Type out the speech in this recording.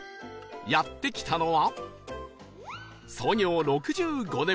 やって来たのは